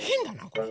これ。